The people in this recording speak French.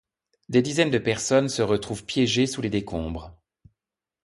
Des dizaines de personnes se retrouvent piégées sous les décombres.